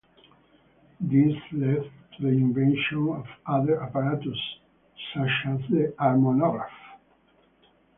This led to the invention of other apparatus such as the harmonograph.